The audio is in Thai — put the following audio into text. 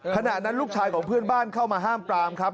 ขณะนั้นลูกชายของเพื่อนบ้านเข้ามาห้ามปรามครับ